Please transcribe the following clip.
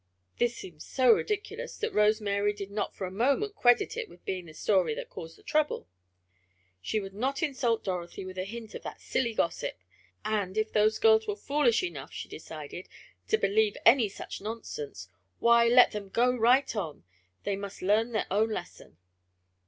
This seemed so ridiculous that Rose Mary did not for a moment credit it with being the story that caused the trouble. She would not insult Dorothy with a hint of that silly gossip, and, if those girls were foolish enough, she decided, to believe in any such nonsense, why, let them go right on, they must learn their own lesson.